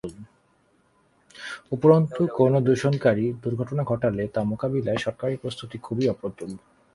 উপরন্তু কোনো দূষণকারী দুর্ঘটনা ঘটালে তা মোকাবিলায় সরকারি প্রস্তুতি খুবই অপ্রতুল।